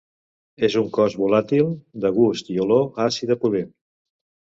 És un cos volàtil, de gust i olor àcida pudent.